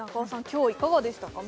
今日いかがでしたか？